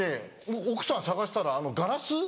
奥さん探したらあのガラス？